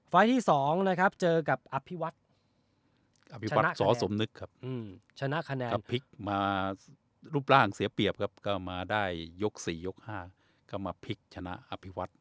ที่๒นะครับเจอกับอภิวัฒน์อภิวัตรสอสมนึกครับชนะคะแนนต้องพลิกมารูปร่างเสียเปรียบครับก็มาได้ยก๔ยก๕ก็มาพลิกชนะอภิวัตร